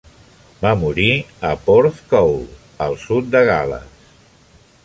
Va morir a Porthcawl, al sud de Gal·les.